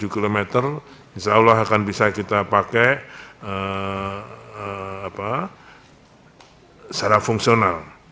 dua puluh delapan tujuh kilometer insyaallah akan bisa kita pakai secara fungsional